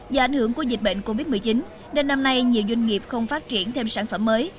do ảnh hưởng của dịch bệnh covid một mươi chín nên năm nay nhiều doanh nghiệp không phát triển thêm sản phẩm mới